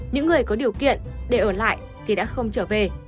những người có điều kiện để ở lại thì đã không trở về